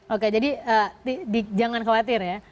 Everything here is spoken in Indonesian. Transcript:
oke jadi jangan khawatir ya